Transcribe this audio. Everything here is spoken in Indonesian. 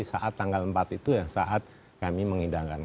jadi kita sudah memilih beberapa tempat untuk dihidangkan